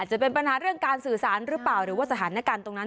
จะเป็นปัญหาเรื่องการสื่อสารหรือเปล่าหรือว่าสถานการณ์ตรงนั้น